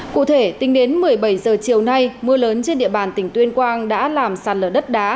cụ thể tính đến một mươi bảy h chiều nay mưa lớn trên địa bàn tỉnh tuyên quang đã làm sạt lở đất đá